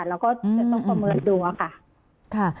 เราก็จะต้องประเมินดูค่ะ